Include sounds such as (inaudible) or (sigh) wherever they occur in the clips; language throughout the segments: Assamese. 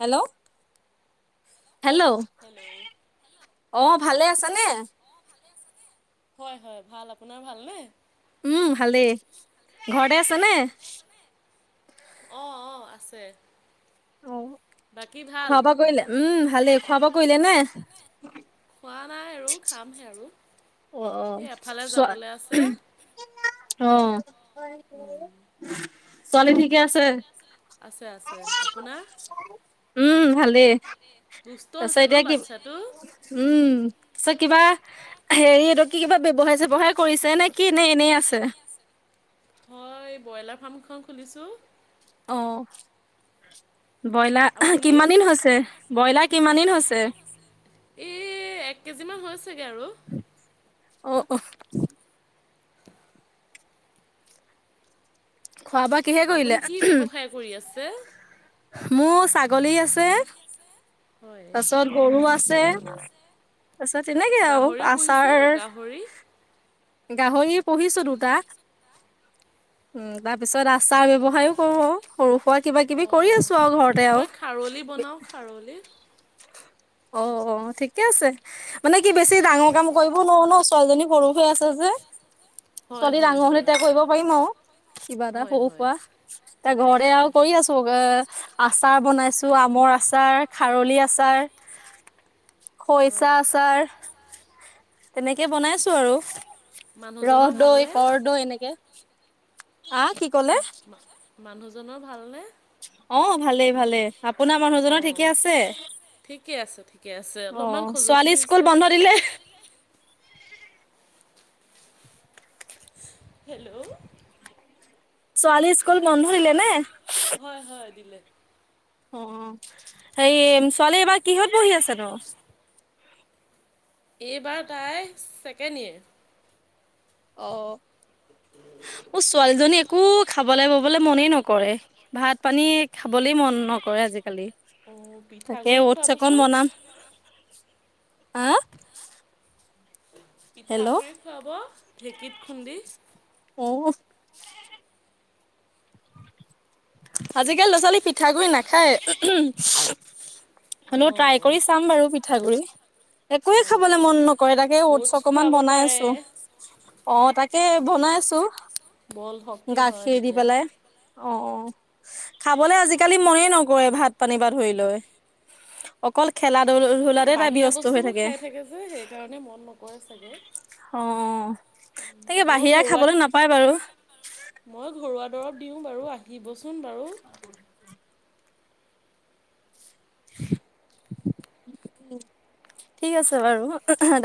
Hello, hello. হেল্ল' ' অ ভালে আছে নে হয় হয় ভাল, আপোনাৰ ভালনে? উম ভালেই। ঘৰতে আছে নে? অ অ আছে। অ বাকী ভাল? খোৱা বোৱা কৰিলে? উম ভালেই। খোৱা-বোৱা কৰিলে নে? খোৱা নাই আৰু খামহে আৰু। অ অ, এই এফালে চ। যাবলৈ আছে। আহ। (inaudible) ছোৱালী ঠিকে আছে? আছে আছে আপোনাৰ? উম ভালেই, দুষ্ট তাৰ পিছত হৈছে ন এতিয়া কি-, বাচ্ছাটো? উম। চ কিবা হেৰি এইটো কিবা ব্যৱসায় - চেৱসায় কৰিছে নে কি, এনে এনেই আছে? হয় ব্ৰইলাৰ ফাৰ্মখন খুলিছোঁ। অ ব্ৰইলাৰ, আপুনি? কিমান দিন হৈছে? ব্ৰইলাৰ কিমান দিন হৈছে? ছে। এ এক কেজি মান হৈছেগে আৰু। অ অ। খোৱা বোৱা কিহেৰে আপুনি কৰিলে? কি ব্যৱসায় (inaudible) মোৰ ছাগলী আছে, হয়। তাৰিছত গৰু আ আছে। তাৰছত এনেকে আৰু গাহৰিও পুহিছে আচাৰ গাহৰি। গাহৰি পুহিছো দুটা। উ তাৰ পিছত আচাৰ ব্যৱসায়ও কৰো আৰু সৰু সুৰা কিবা কিবি কৰি অঁ আছো আৰু ঘৰতে আৰু। মই খাৰলি বনাওঁ খাৰলি। অ অ ঠিকে আছে। মানে কি বেছি ডাঙৰ কাম কৰিব নোৱাৰো ন। ছোৱালীজনী সৰুহে আছে যে, হয় ছোৱালী হয় ডাঙৰ হ'লে হয়। ইটা কৰিব পাৰিম আৰু। কিবা এটা হয় হয় সৰু-সুৰা। ইটা ঘৰে আৰু কৰি আছো এ আচাৰ বনাইছো আম মৰ আচাৰ, খাৰলি আচাৰ, খৰিচা হয় আচাৰ তেনেকে বনাইছো আৰু। মানুহজনৰ ৰসদৈ, ভালনে? কৰদৈ এনেকে হা কি কলে? জনৰ ভালনে? অ ভালেই ভালেই, আপোনাৰ মানুহজনৰ অঁ ঠিকে আছে। ঠিকে আছে, ঠিকে আছে, অ অলপমান খজুৱতি ছোৱালী স্কুল হৈছে। বন্ধ দিলে (unintelligible) হেল্ল'। ছোৱালী স্কুল বন্ধ দিলে নে? হয় হয় দিলে অ হেৰি ছোৱালী এইবাৰ কিহত পঢ়ি আছে ন? এইবাৰ তাই ছেকেণ্ড ইয়েৰ। অ মোৰ ছোৱালীজনী একো খাবলৈ-ববলৈ মনেই নকৰে, ভাত পানী খাবলে মন নকৰে আজিকালি। অ তাকে পিঠাগু়ি অটছ অকন খুৱাবচোন। বনাম হা? হেল্ল' পিঠাগুড়ি খুৱাব ঢেঁকীত খুন্দি। অ'। আজিকালি ল'ৰা ছোৱালী পিঠাগুডৰি নাখায়। হ'লেও অঁ ট্ৰাই কৰি চাম বাৰু পিঠাগুৰি। একোৱে অঁ। খাবলৈ মন নকৰে। তাকে অটছ অকমান খুৱাব বনাই পাৰে আছোঁ। অ' তাক তাকে বনাই আছোঁ। বল শক্তি হয় তেতিয়া। অ খাবলে আজিকালি মনেই নকৰে, ভাত পানী বা ধৰি লৈ অকল খেলা ধ ধূলাতে তাই বাহিৰা ব্যস্ত হৈ বস্তুবোৰ খাই থাকে যে সেইকাৰণে মন নকৰে চাগে। অ তাকে মই বাহিৰা ঘৰুৱাত খাবলৈ নাপায় বাৰু। মই ঘৰুৱা দৰৱ দিওঁ বাৰু আহিবচোন বাৰু। ঠিক আছে বাৰু।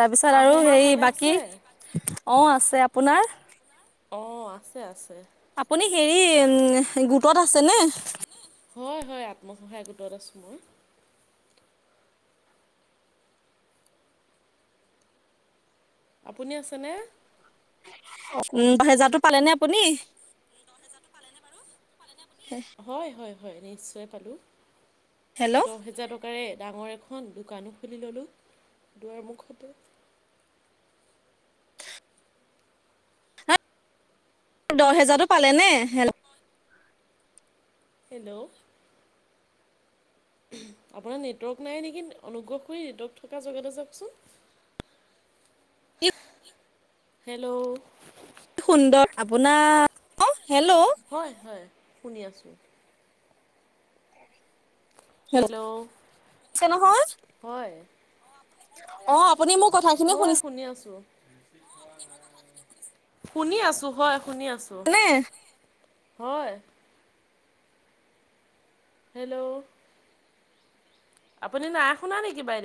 তাৰপিছত শাহু আৰু মা হেই ভালে বাকী, আছে অ' আছে। আপোনাৰ? অ' আছে আছে। আপুনি হেৰি গোটত আছেনে? হয় হয়। আত্মসহায়ক গোটত আছোঁ মই। আপুনি আছেনে? হেজাৰটো পালেনে আপুনি? হয় হয় নিশ্চয় পালোঁ। হেল্ল' দহহেজাৰ টকা কাৰে ডাঙৰ এখন দোকানো খুলি ল'লোঁ, দুৱাৰ মুখতে। দহহেজাৰটো পালেনে? হেল্ল'। আপোনাৰ নেটৱৰ্ক নাই নেকি, অনুগ্ৰহ কৰি নেটৱৰ্ক থকা জেগাতে যাওকচোন। (unintelligible) হেল্ল'। সুন্দৰ আপোনাৰ ক হয় হয় শুনি আছোঁ। শুনিছে হেল্ল' নহয় হয়। অ' আপুনি মোৰ কথাখিনি হয় শুনিছে? শুনি আছোঁ। শুনি আছোঁ, হয় শুনি আছোঁ। নে হয়। হেল্ল'। আপুনি নাই শুনা নেকি বাইদেউ?